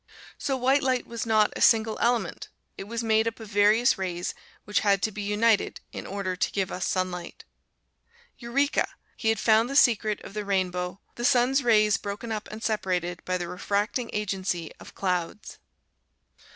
So white light was not a single element: it was made up of various rays which had to be united in order to give us sunlight. Eureka! He had found the secret of the rainbow the sun's rays broken up and separated by the refracting agency of clouds!